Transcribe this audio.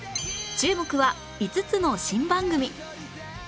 注目は５つの新番組